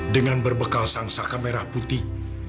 dengan berbekal sang saka merah putih